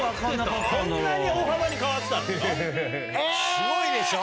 すごいでしょ。